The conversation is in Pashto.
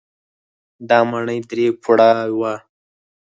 دا ماڼۍ درې پوړه وه.